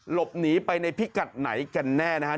หลบหนีไปในพิกัดไหนกันแน่นะครับ